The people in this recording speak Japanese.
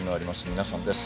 皆さんです。